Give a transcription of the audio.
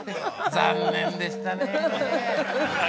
◆残念でしたね。